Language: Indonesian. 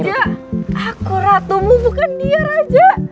ya aku ratumu bukan dia raja